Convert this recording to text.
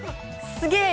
すげえ！